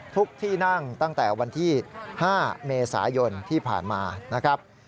ที่นั่งตั้งแต่วันที่๕เมษายนที่ผ่านมานะครับ